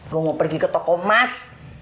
gue mau pergi ke toko emas